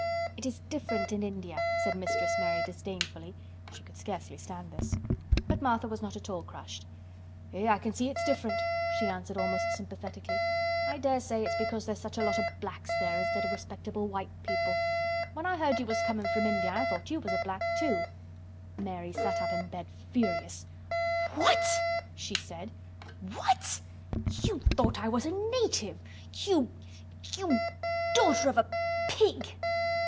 "It is different in India," said Mistress Mary disdainfully. She could scarcely stand this. But Martha was not at all crushed. "Eh! I can see it's different," she answered almost sympathetically. "I dare say it's because there's such a lot o' blacks there instead o' respectable white people. When I heard you was comin' from India I thought you was a black too." Mary sat up in bed furious. "What!" she said. "What! You thought I was a native. You—you daughter of a pig!"